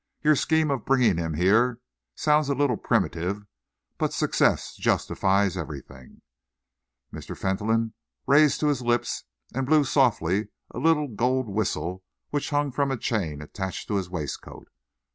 "Your scheme of bringing him here sounds a little primitive, but success justifies everything." Mr. Fentolin raised to his lips and blew softly a little gold whistle which hung from a chain attached to his waistcoat.